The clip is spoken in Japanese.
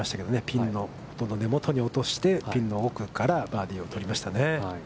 ピンの根元に落として、ピンの奥からバーディーを取りましたね。